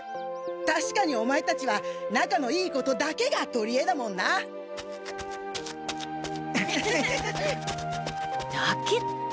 たしかにオマエたちは仲のいいことだけがとりえだもんな！だけって。